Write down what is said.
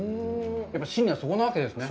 やっぱ信念はそこなわけですね。